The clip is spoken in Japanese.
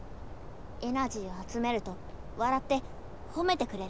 エナジーをあつめるとわらってほめてくれる。